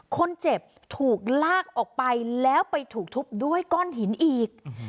คนเจ็บถูกลากออกไปแล้วไปถูกทุบด้วยก้อนหินอีก